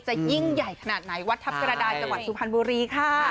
ยิ่งใหญ่ขนาดไหนวัดทัพกระดานจังหวัดสุพรรณบุรีค่ะ